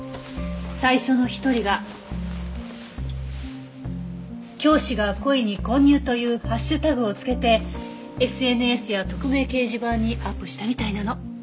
最初の一人が「教師が故意に混入」というハッシュタグをつけてＳＮＳや匿名掲示板にアップしたみたいなの。